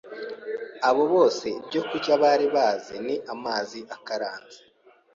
abo bose ibyo kurya bari bazi ni amazi akaranze